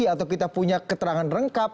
atau kita punya keterangan lengkap